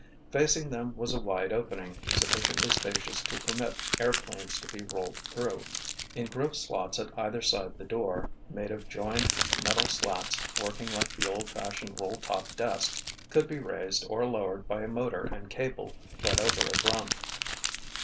Facing them was a wide opening, sufficiently spacious to permit airplanes to be rolled through: in grooved slots at either side the door, made of joined metal slats working like the old fashioned roll top desk, could be raised or lowered by a motor and cable led over a drum.